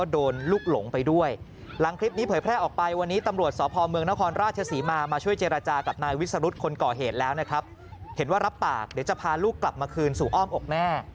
เดี๋ยวจะพาลูกกลับมาคืนสู่อ้อมอกแน่